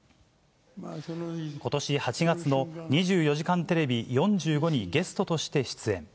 ことし８月の２４時間テレビ４５にゲストとして出演。